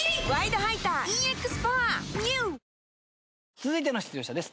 続いての出場者です。